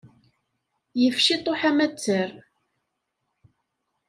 Yif ciṭuḥ amattar.